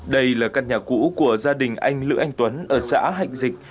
đây là căn nhà cũ của gia đình anh lữ anh tuấn ở xã hạnh dịch